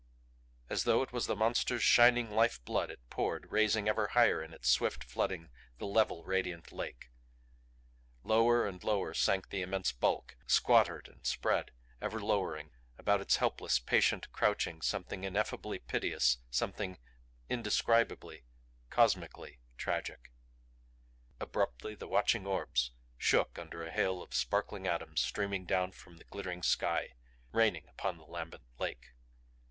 As though it was the Monster's shining life blood it poured, raising ever higher in its swift flooding the level radiant lake. Lower and lower sank the immense bulk; squattered and spread, ever lowering about its helpless, patient crouching something ineffably piteous, something indescribably, COSMICALLY tragic. Abruptly the watching orbs shook under a hail of sparkling atoms streaming down from the glittering sky; raining upon the lambent lake.